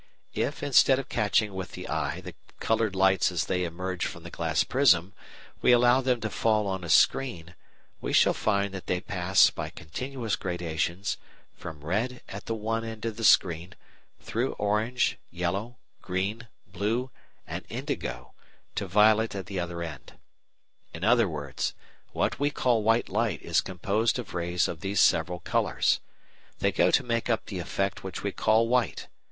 If, instead of catching with the eye the coloured lights as they emerge from the glass prism, we allow them to fall on a screen, we shall find that they pass, by continuous gradations, from red at the one end of the screen, through orange, yellow, green, blue, and indigo, to violet at the other end. _In other words, what we call white light is composed of rays of these several colours. They go to make up the effect which we call white.